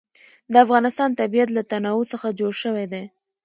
د افغانستان طبیعت له تنوع څخه جوړ شوی دی.